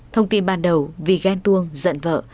thông tin ban đầu vì ghen tuông giận vợ